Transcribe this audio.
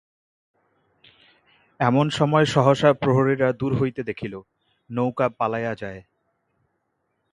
এমন সময়ে সহসা প্রহরীরা দূর হইতে দেখিল, নৌকা পালাইয়া যায়।